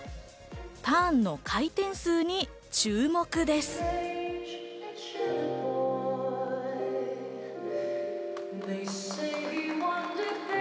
ターンの回転数に注目です。